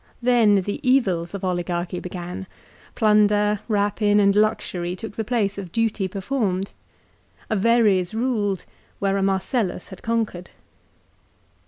Then the evils of oligarchy began. Plunder, rapine, and luxury took the place of duty performed. A Verres ruled where a Marcellus had conquered.